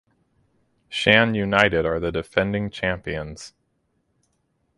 Shan United are the defending champions.